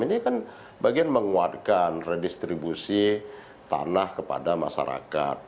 ini kan bagian menguatkan redistribusi tanah kepada masyarakat